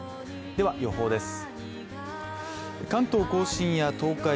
では、予報です。